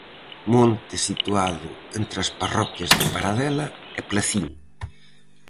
Monte situado entre as parroquias de Paradela e Placín.